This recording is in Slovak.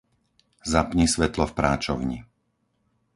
Zapni svetlo v práčovni.